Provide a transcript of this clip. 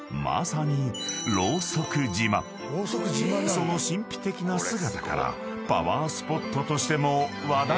［その神秘的な姿からパワースポットとしても話題に］